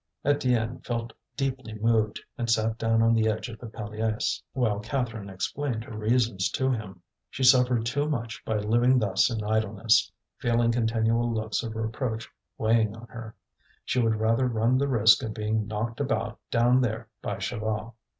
Étienne felt deeply moved, and sat down on the edge of the palliasse, while Catherine explained her reasons to him. She suffered too much by living thus in idleness, feeling continual looks of reproach weighing on her; she would rather run the risk of being knocked about down there by Chaval.